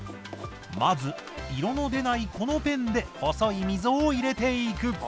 まず色の出ないこのペンで細い溝を入れていく。